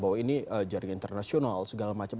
bahwa ini jaringan internasional segala macam